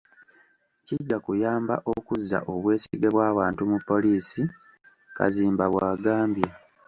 "Kijja kuyamba okuzza obwesige bw’abantu mu poliisi.” Kazimba bw’agambye.